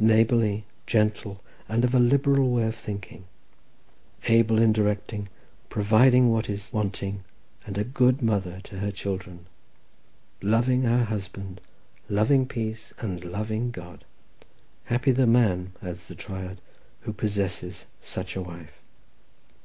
"Neighbourly, gentle, and of a liberal way of thinking. "Able in directing, providing what is wanting, and a good mother to her children. "Loving her husband, loving peace, and loving God. "Happy the man," adds the Triad, "who possesses such a wife."